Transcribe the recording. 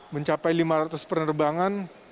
mencapai lima ratus penerbangan